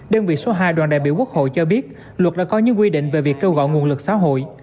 đơn vị số hai đoàn đại biểu quốc hội cho biết luật đã có những quy định về việc kêu gọi nguồn lực xã hội